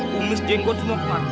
humis jenggot semua keluar